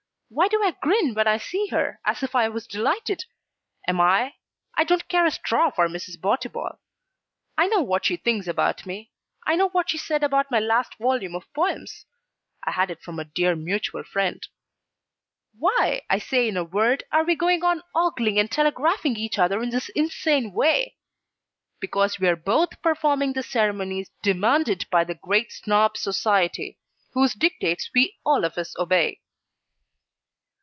Why do I grin when I see her, as if I was delighted? Am I? I don't care a straw for Mrs. Botibol. I know what she thinks about me. I know what she said about my last volume of poems (I had it from a dear mutual friend). Why, I say in a word, are we going on ogling and telegraphing each other in this insane way? Because we are both performing the ceremonies demanded by the Great Snob Society; whose dictates we all of us obey.